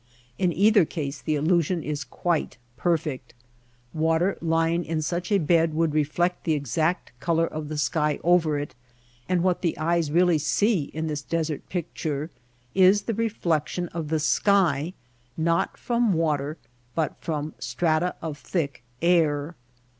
In either case the illusion is quite perfect. Water lying in such a bed would reflect the exact color of the sky over it ; and what the eyes really see in this desert picture is the reflection of the sky not from water but from strata of thick air.